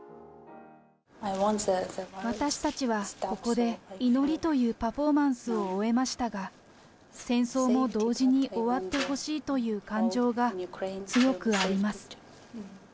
私たちはここで祈りというパフォーマンスを終えましたが、戦争も同時に終わってほしいという感情が強くあります。